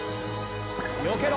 よけろ！